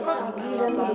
ibu guru saya janji